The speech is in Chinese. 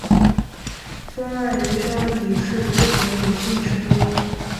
峰岸由香里是日本女性声优。